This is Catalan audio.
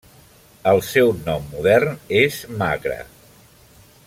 El seu nom modern és Magra.